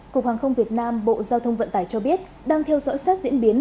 cục hàng không việt nam bộ giao thông vận tải cho biết đang theo dõi sát diễn biến